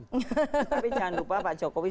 tapi jangan lupa pak jokowi